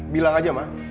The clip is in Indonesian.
bilang aja ma